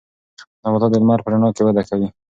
نباتات د لمر په رڼا کې وده کوي.